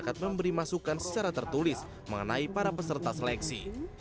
masyarakat memberi masukan secara tertulis mengenai para peserta seleksi